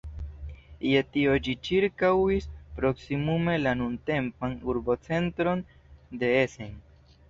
Je tio ĝi ĉirkaŭis proksimume la nuntempan urbocentron de Essen.